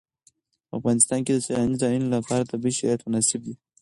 په افغانستان کې د سیلانی ځایونه لپاره طبیعي شرایط مناسب دي.